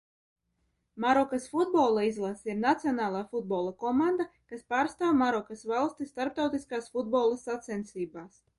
Marokas futbola izlase ir nacionālā futbola komanda, kas pārstāv Marokas valsti starptautiskās futbola sacensībās.